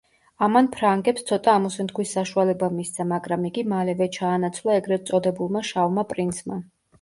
ამან ფრანგებს ცოტა ამოსუნთქვის საშუალება მისცა, მაგრამ იგი მალევე ჩაანაცვლა ეგრედ წოდებულმა შავმა პრინცმა.